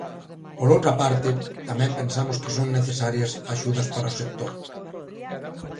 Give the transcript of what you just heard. Por outra parte, tamén pensamos que son necesarias axudas para o sector.